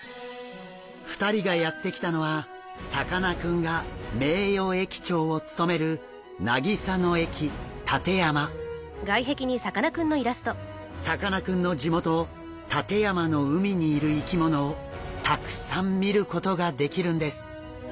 ２人がやって来たのはさかなクンが名誉駅長を務めるさかなクンの地元館山の海にいる生き物をたくさん見ることができるんです。